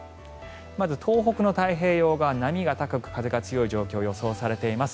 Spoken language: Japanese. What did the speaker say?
東北の太平洋側波が高く風が強い状況が予想されています。